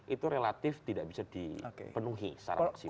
itu relatif tidak bisa dipenuhi secara maksimal